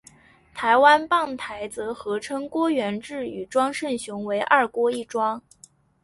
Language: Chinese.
台湾棒坛则合称郭源治与庄胜雄为二郭一庄。